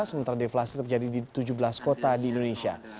sementara deflasi terjadi di tujuh belas kota di indonesia